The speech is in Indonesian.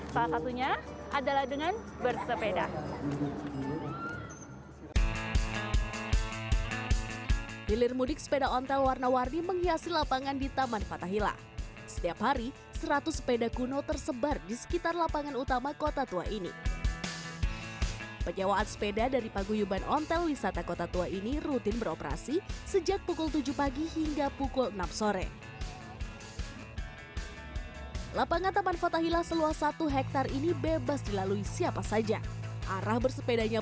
salah satunya adalah dengan bersepeda